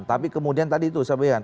tapi kemudian tadi itu saya bilang